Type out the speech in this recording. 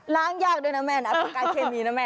ล้างยากด้วยนะแม่น่ากลายเคมีนะแม่